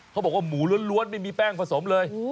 เขาบอกว่าหมูล้วนไม่มีแป้งผสมเลย